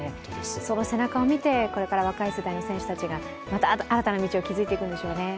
その背中を見て、これから若い世代の選手たちがまた新たな道を築いていくんでしょうね。